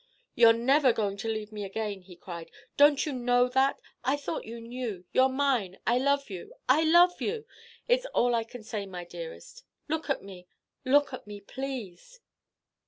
"You're never going to leave me again," he cried. "Don't you know that? I thought you knew. You're mine. I love you. I love you. It's all I can say, my dearest. Look at me look at me, please."